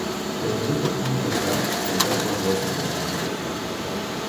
Gairebé com el meu retrat, tancat a les golfes de la memòria.